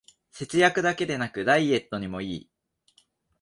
節約だけでなくダイエットにもいい